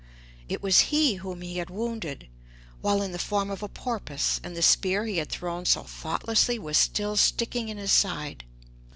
It was he whom he had wounded, while in the form of a porpoise, and the spear he had thrown so thoughtlessly was still sticking in his side.